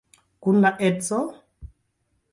Kun la edzo?